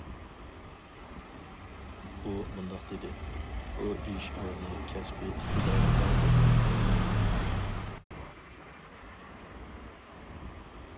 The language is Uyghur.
ئۇ مۇنداق دېدى: بۇ ئىش ئورنى كەسپىي ئىقتىدارىمغا ماس كېلىدۇ.